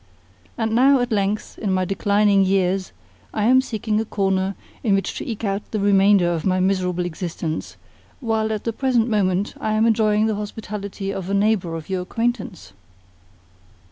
And now, at length, in my declining years, I am seeking a corner in which to eke out the remainder of my miserable existence, while at the present moment I am enjoying the hospitality of a neighbour of your acquaintance."